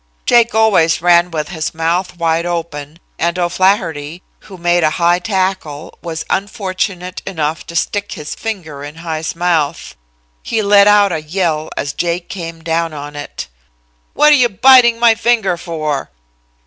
Jake always ran with his mouth wide open, and O'Flaherty, who made a high tackle, was unfortunate enough to stick his finger in High's mouth. He let out a yell as Jake came down on it: "What are you biting my finger for?"